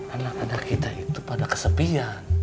anak anak kita itu pada kesepian